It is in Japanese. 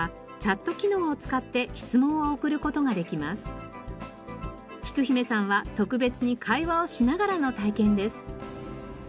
リモート工場見学のきく姫さんは特別に会話をしながらの体験です。